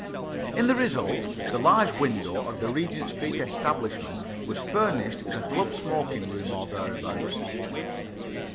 In the result, the large window of the Regent Street establishment was furnished as a club smoking room or thereabouts.